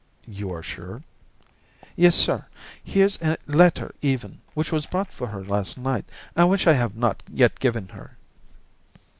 "You are sure?" "Yes, sir; here's a letter even, which was brought for her last night and which I have not yet given her."